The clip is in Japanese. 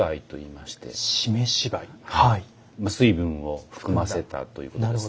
まあ水分を含ませたということですね。